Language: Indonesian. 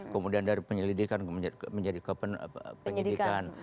kemudian dari penyelidikan menjadi penyelidikan